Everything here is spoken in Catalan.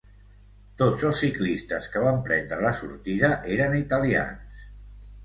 Tots els ciclistes que van prendre la sortida eren italians.